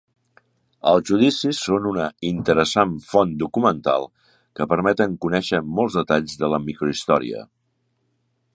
Els judicis són una interessant font documental que permeten conèixer molts detalls de la microhistòria.